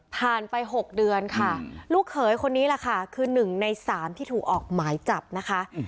ผ่านไป๖เดือนค่ะลูกเขยคนนี้แหละค่ะคือ๑ใน๓ที่ถูกออกหมายจับนะคะ